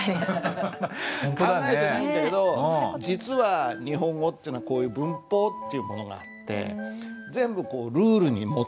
考えてないんだけど実は日本語というのはこういう文法っていうものがあって全部ルールに基づいてるんです。